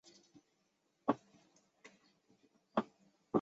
邪恶的维拉米尔寇等。